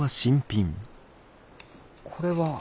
これは。